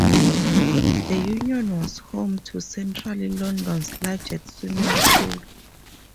The union was home to Central London's largest swimming pool.